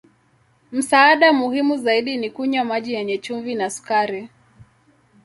Msaada muhimu zaidi ni kunywa maji yenye chumvi na sukari.